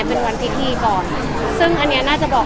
กลับไปที่จอม